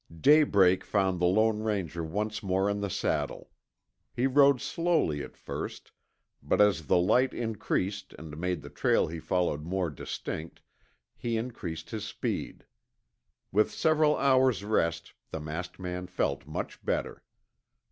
Daybreak found the Lone Ranger once more in the saddle. He rode slowly at first, but as the light increased and made the trail he followed more distinct, he increased his speed. With several hours' rest the masked man felt much better.